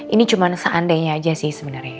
ini cuma seandainya aja sih sebenarnya